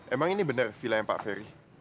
emang ini benar villa yang pak ferry